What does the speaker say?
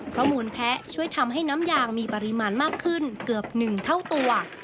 เพราะมูลแพ้ช่วยทำให้น้ำยางมีปริมาณมากขึ้นเกือบ๑เท่าตัว